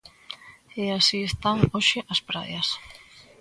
E así están hoxe as praias.